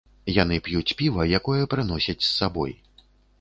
Яны п'юць піва, якое прыносяць з сабой.